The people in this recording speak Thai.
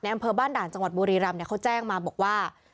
อำเภอบ้านด่านจังหวัดบุรีรำเขาแจ้งมาบอกว่า